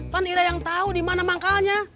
kan irah yang tau dimana mangkalnya